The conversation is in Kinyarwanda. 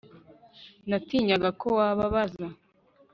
Natinyaga ko wababaza